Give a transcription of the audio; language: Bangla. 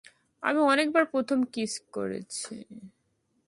আমি অনেকবার প্রথম কিস করেছি।